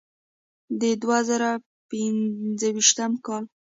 د دوه زره پنځويشتم کال